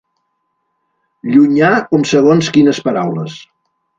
Llunyà com segons quines paraules.